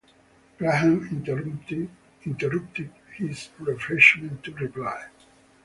Graham interrupted his refreshment to reply.